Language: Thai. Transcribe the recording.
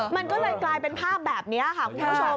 มันก็เลยกลายเป็นภาพแบบนี้ค่ะคุณผู้ชม